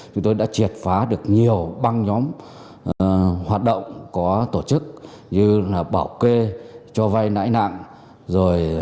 chúng tôi đã triệt phá được nhiều băng nhóm hoạt động có tổ chức như bảo kê cho vai lãi nặng